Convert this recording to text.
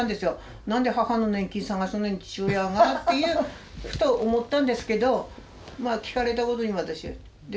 何で母の年金を探すのに父親がっていうふと思ったんですけどまあ聞かれたことに私は。